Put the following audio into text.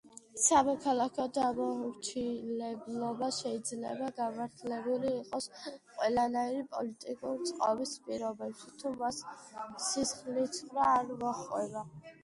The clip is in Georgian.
სამოქალაქო დაუმორჩილებლობა შეიძლება გამართლებული იყოს ყველანაირი პოლიტიკური წყობის პირობებში, თუ მას სისხლისღვრა არ მოჰყვება.